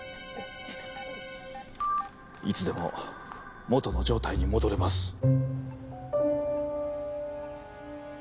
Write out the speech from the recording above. いつでも元の状態に戻れます。